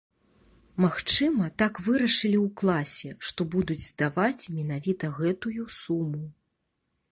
Магчыма, так вырашылі ў класе, што будуць здаваць менавіта гэтую суму.